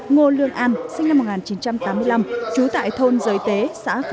ngô lương an sinh năm một nghìn chín trăm tám mươi năm trú tại thôn giới tế xã phú